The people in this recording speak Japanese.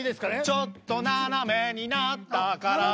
「ちょっと斜めになったから」